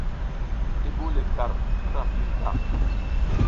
I ɓuw le gar kira piyik di ta.